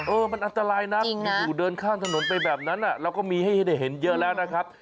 เออมันอันตรายนะอยู่เดินข้ามถนนไปแบบนั้นเราก็มีให้ได้เห็นเยอะแล้วนะครับ